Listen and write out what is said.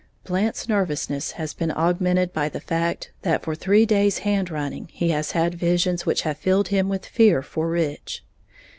Blant's nervousness has been augmented by the fact that for three days handrunning he has had visions which have filled him with fear for Rich.